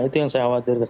itu yang saya khawatirkan